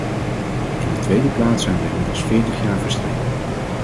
In de tweede plaats zijn er inmiddels veertig jaar verstreken.